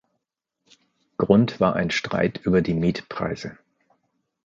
Grund war ein Streit über die Mietpreise.